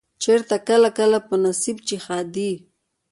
چرته کله کله په نصيب چې ښادي